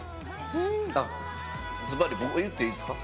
あっずばり僕が言っていいですか？